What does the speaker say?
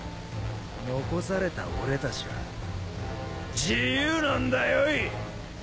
残された俺たちは自由なんだよい！